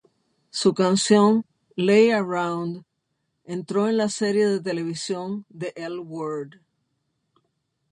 Su canción "Lay Around" entró en la serie de Televisión "the L Word".